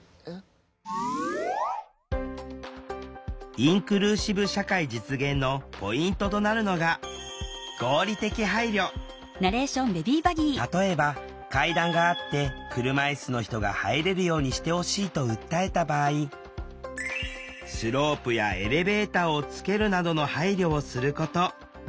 インクルーシブ社会実現のポイントとなるのが例えば階段があって車いすの人が「入れるようにしてほしい」と訴えた場合スロープやエレベーターをつけるなどの配慮をすること。